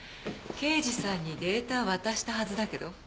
刑事さんにデータを渡したはずだけど。